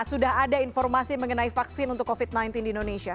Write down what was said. sudah ada informasi mengenai vaksin untuk covid sembilan belas di indonesia